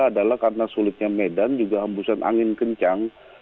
adalah karena sulitnya medan juga hembusan angin kencang